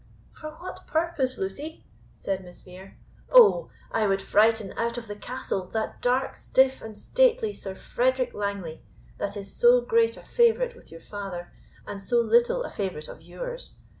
"For what purpose, Lucy?" said Miss Vere. "O! I would frighten out of the castle that dark, stiff, and stately Sir Frederick Langley, that is so great a favourite with your father, and so little a favourite of yours.